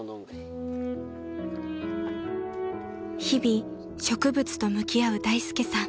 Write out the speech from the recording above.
［日々植物と向き合う大介さん］